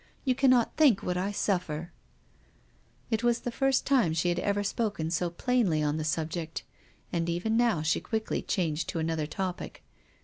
You cannot think what I suffer." It was the first time she had ever spoken so plainly on the subject, and even now she quickly changed to another topic.